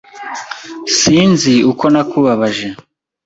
Sinzi uko nakubabaje.